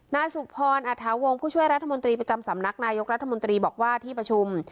นายสุพรอัฐาวงศ์ผู้ช่วยรัฐมนตรีประจำสำนักนายกรัฐมนตรีบอกว่าที่ประชุม